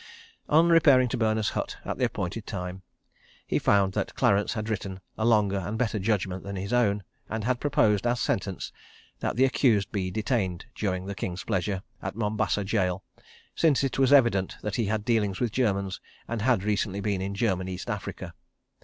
... On repairing to Berners' hut at the appointed time, he found that Clarence had written a longer and better judgment than his own, and had proposed as sentence that the accused be detained during the King's pleasure at Mombasa Gaol, since it was evident that he had dealings with Germans and had recently been in German East Africa.